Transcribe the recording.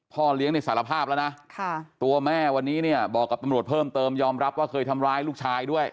เลี้ยงในสารภาพแล้วนะตัวแม่วันนี้เนี่ยบอกกับตำรวจเพิ่มเติมยอมรับว่าเคยทำร้ายลูกชายด้วย